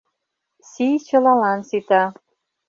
Сий чылалан сита.